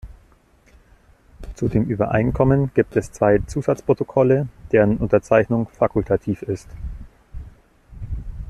Zu dem Übereinkommen gibt es zwei Zusatzprotokolle, deren Unterzeichnung fakultativ ist.